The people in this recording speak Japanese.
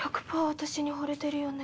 私に惚れてるよね。